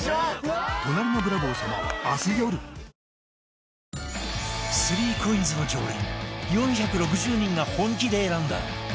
サントリー３ＣＯＩＮＳ の常連４６０人が本気で選んだ